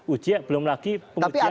ujian belum lagi pengujian